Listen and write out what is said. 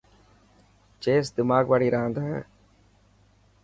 چيس دماغ واڙي راند هي.